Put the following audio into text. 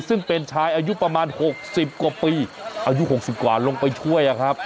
ซึ่งเป็นชายอายุประมาณหกสิบกว่าปีอายุหกสิบกว่าลงไปช่วยอ่ะครับ